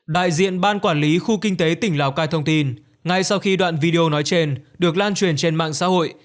đại diện ban quản lý khu kinh tế tỉnh lào cai thông tin ngay sau khi đoạn video nói trên được lan truyền trên mạng xã hội